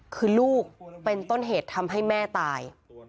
คือลูกเป็นต้นเหตุทำให้แม่ตาย